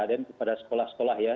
dan kepada sekolah sekolah ya